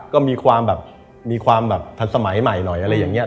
ก็มีความแบบทันสมัยใหม่หน่อยอะไรอย่างเนี่ย